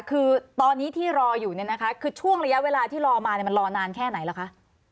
คือตอนนี้ที่รออยู่เนี่ยนะคะคือช่วงระยะเวลาที่รอมามันรอนานแค่ไหนล่ะคะ